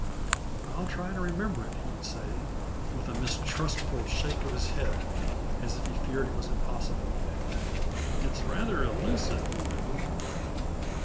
"I'll try to remember it," he would say, with a mistrustful shake of his head as if he feared it was impossible. "It's rather elusive, you know."